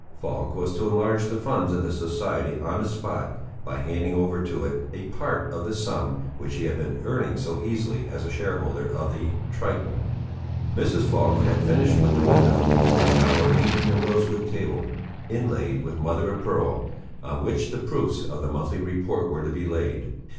Falk was to enlarge the funds of the society on the spot by handing over to it a part of the sum which he had been earning so easily as shareholder of the "Triton." Mrs. Falk had finished with the window and was now arranging the rosewood table, inlaid with mother of pearl, on which the proofs of the monthly report were to be laid.